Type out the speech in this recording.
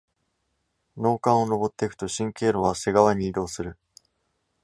脳幹を上っていくと、神経路は背側に移動する。